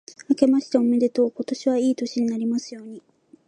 あけましておめでとう。今年はいい年になりますように。